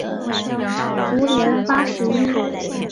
卒年八十一。